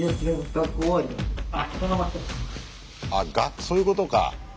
あっそういうことか。